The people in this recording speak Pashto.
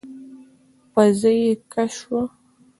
پزه يې کش شوه.